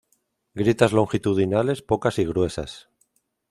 Grietas longitudinales pocas y gruesas.